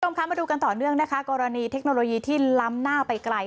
มาดูกันต่อเนื่องกรณีเทคโนโลยีที่ล้ำหน้าไปไกล